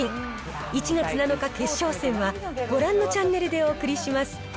１月７日決勝戦は、ご覧のチャンネルでお送りします。